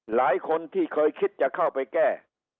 หลายคนที่เคยคิดจะเข้าไปแก้